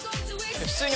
普通に